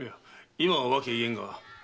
今は訳は言えんが。